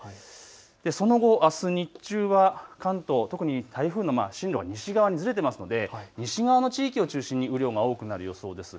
その後、あす日中は関東特に台風の進路が西側にずれているので西側の地域を中心に雨量が多くなる予想です。